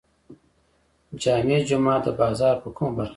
جامع جومات د بازار په کومه برخه کې دی؟